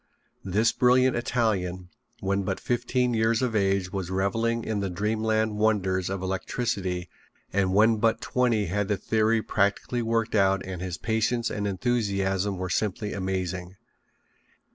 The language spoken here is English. This brilliant Italian, when but fifteen years of age was reveling in the dreamland wonders of electricity and when but twenty had the theory practically worked out and his patience and enthusiasm were simply amazing.